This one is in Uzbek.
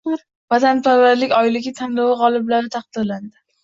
“Vatanparvarlik oyligi” tanlovi g‘oliblari taqdirlandi